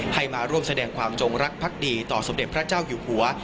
ให้มาร่วมแสดงความจงรักพักดีต่อสมเด็จพระเจ้าอยู่หัว